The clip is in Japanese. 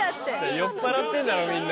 酔っ払ってるんだろみんな。